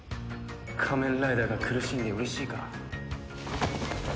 仮面ライダーが苦しんで嬉しいか？